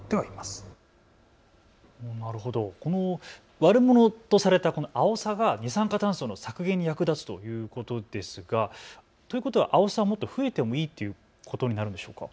悪者とされたアオサが二酸化炭素の削減に役立つということですがということは、アオサはもっと増えてもいいということになるんでしょうか。